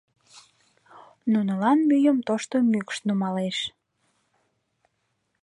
Нунылан мӱйым тошто мӱкш нумалеш.